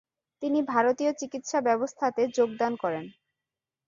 তিনি ভারতীয় চিকিৎসাব্যবস্থাতে যোগদান করেন।